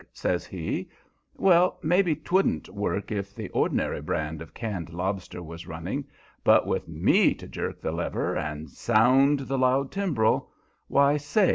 says he. "Well, maybe 'twouldn't work if the ordinary brand of canned lobster was running it, but with ME to jerk the lever and sound the loud timbrel why, say!